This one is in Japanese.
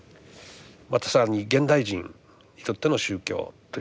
また更に現代人にとっての宗教というようなね